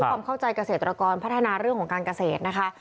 ความเข้าใจเกษตรกรพัฒนาเรื่องของการเกษตรนะคะ